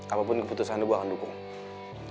apapun keputusan gue akan dukung